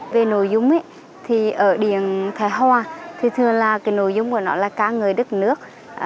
về nội dung thì ở điện thái hòa thì thường là cái nội dung của nó là ca người đất nước